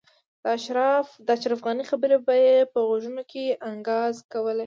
د اشرف خان خبرې به یې په غوږونو کې انګازې کولې